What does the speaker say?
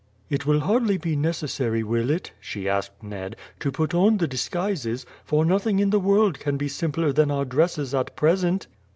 "It will hardly be necessary, will it," she asked Ned, "to put on the disguises, for nothing in the world can be simpler than our dresses at present?"